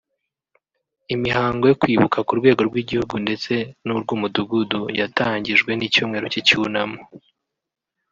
Imihango yo kwibuka ku rwego rw’Igihugu ndetse n’urw’Umudugudu yatangijwe n’icyumweru cy’Icyunamo